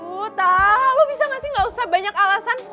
uh tahu lo bisa gak sih gak usah banyak alasan